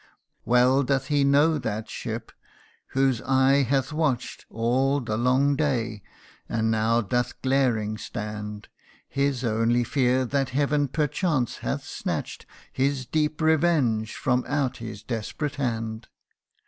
145 Well doth he know that ship, whose eye hath watch 'd All the long day ; and now doth glaring stand, PI is only fear that heaven perchance hath snatch 'd His deep revenge from out his desperate hand.